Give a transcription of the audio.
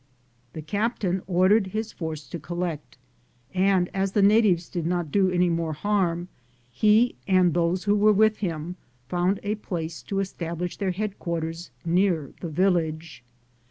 The captain ordered his force to collect, and, aB the natives did not do any more harm, he and those who were with him found a place to establish their headquarters near the village.